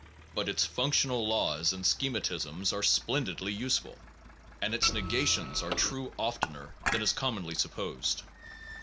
But its functional laws and schematisms are splendid^ useful, and its negations are true oftener than is com monly supposed.